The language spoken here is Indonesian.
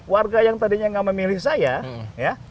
warga yang tadinya nggak memilih saya ya